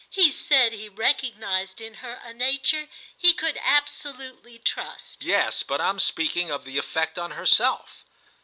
"He said he recognised in her a nature he could absolutely trust." "Yes, but I'm speaking of the effect on herself."